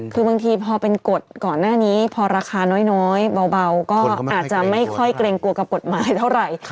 คือบางทีพอเป็นกฎก่อนหน้านี้พอราคาน้อยเบาก็อาจจะไม่ค่อยเกรงกลัวกับกฎหมายเท่าไหร่